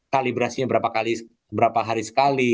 kalibrasinya berapa kali berapa hari sekali